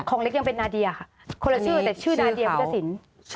เล็กยังเป็นนาเดียค่ะคนละชื่อแต่ชื่อนาเดียพุทธศิลป์